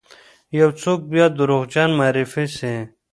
یو څوک بیا دروغجن معرفي سی،